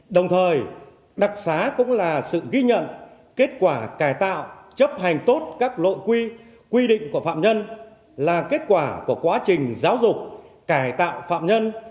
đồng thời đặc xá cũng là sự ghi nhận kết quả cải tạo chấp hành tốt các nội quy quy định của phạm nhân là kết quả của quá trình giáo dục cải tạo phạm nhân